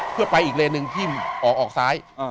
เพื่อไปอีกเลนหนึ่งที่ออกซ้าย